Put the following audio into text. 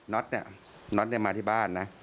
น็อตนี่น็อตมาที่บ้านนะ